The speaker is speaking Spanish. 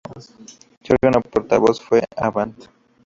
Su órgano portavoz fue "Avant".